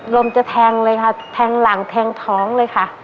ลมจะแทงเลยค่ะแทงหลังแทงท้องเลยค่ะ